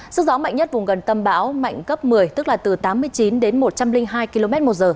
sức gió mạnh nhất vùng gần tâm bão mạnh cấp một mươi tức là từ tám mươi chín đến một trăm linh hai km một giờ